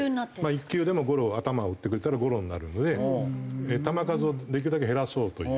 １球でもゴロ頭打ってくれたらゴロになるので球数をできるだけ減らそうという。